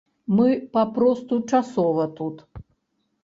Мы папросту часова тут.